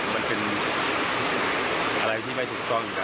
มันเป็นอะไรที่ไม่ถูกต้องอยู่แล้ว